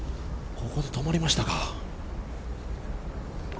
ここで止まりましたか。